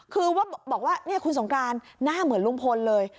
คือว่าบอกว่าคุณสงกรานหน้าเหมือนลุงพลเลย